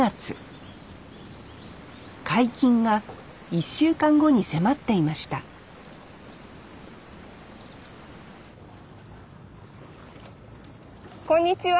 解禁が１週間後に迫っていましたこんにちは。